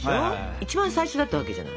一番最初だったわけじゃない。